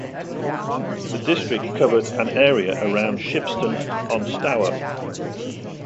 The district covered an area around Shipston-on-Stour.